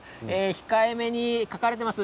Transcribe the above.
控えめに書かれています。